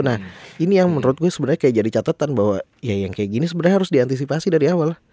nah ini yang menurutku sebenarnya kayak jadi catatan bahwa ya yang kayak gini sebenarnya harus diantisipasi dari awal